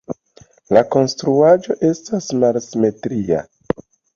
La konstruaĵo estas malsimetria.